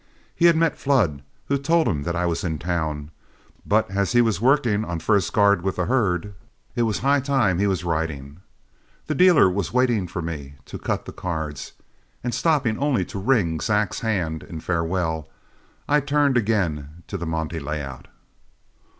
He had met Flood, who told him that I was in town; but as he was working on first guard with their herd, it was high time he was riding. The dealer was waiting for me to cut the cards, and stopping only to wring Zack's hand in farewell, I turned again to the monte layout.